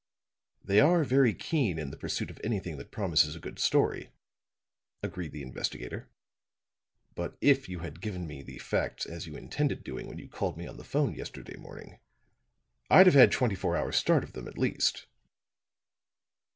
"They are very keen in the pursuit of anything that promises a good story," agreed the investigator. "But if you had given me the facts as you intended doing when you called me on the 'phone yesterday morning, I'd have had twenty four hours start of them, at least."